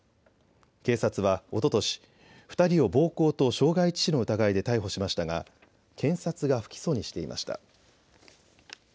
警察は、おととし２人を暴行と傷害致死の疑いで逮捕しましたが検察が不起訴にしていました。